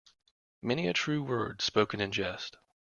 Many a true word spoken in jest.